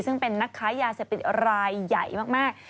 ซึ่งเป็นนักค้ายาเสพติดรายใหญ่มาก